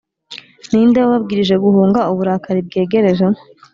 ni nde wababwirije guhunga uburakari bwegereje ?